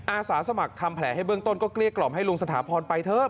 อาสาสมัครทำแผลให้เบื้องต้นก็เกลี้ยกล่อมให้ลุงสถาพรไปเถอะ